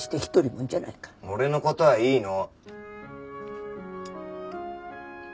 俺の事はいいの。